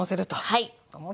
はい。